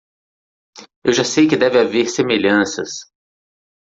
Eu já sei que deve haver semelhanças.